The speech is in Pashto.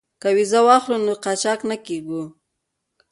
که ویزه واخلو نو قاچاق نه کیږو.